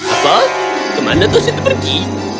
apa kemana terus itu pergi